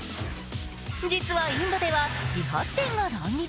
実はインドでは理髪店が乱立。